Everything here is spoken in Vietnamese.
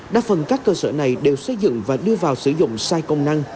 đa phần các cơ sở này đều xây dựng và đưa vào sử dụng sai công năng